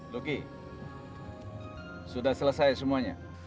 lagi sudah selesai semuanya